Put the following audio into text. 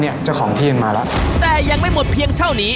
ที่จะมาแนะนำร้านอร่อยเชื่อดังจากสกนคร